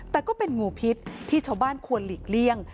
แต่ก็เป็นงูพิษที่ชาวบ้านควรหลีกเลี่ยง